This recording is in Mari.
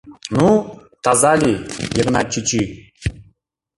Ну, таза лий, Йыгнат чӱчӱ!